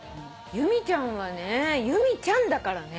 由美ちゃんはね由美ちゃんだからね。